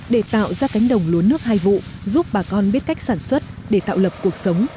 để tạo ra cánh đồng lúa nước hai vụ giúp bà con biết cách sản xuất để tạo lập cuộc sống